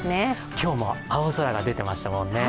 今日も青空が出てましたもんね。